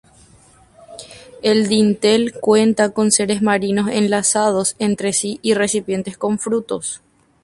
El dintel cuenta con seres marinos enlazados entre sí y recipientes con frutos.